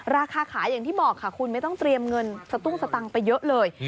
ราคาขายอย่างที่บอกค่ะคุณไม่ต้องเตรียมเงินสตุ้งสตังค์ไปเยอะเลย